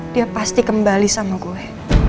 dia pasti kembali sama gue